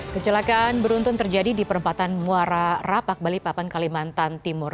kecelakaan beruntun terjadi di perempatan muara rapak balikpapan kalimantan timur